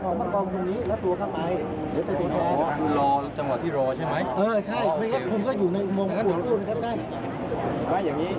เขามีของอยู่พอที่ของอยู่